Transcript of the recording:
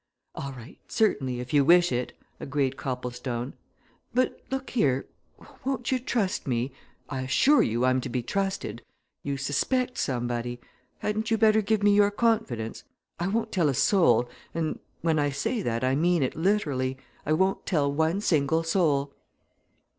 "All right certainly, if you wish it," agreed Copplestone. "But look here won't you trust me? I assure you I'm to be trusted. You suspect somebody! Hadn't you better give me your confidence? I won't tell a soul and when I say that, I mean it literally. I won't tell one single soul!"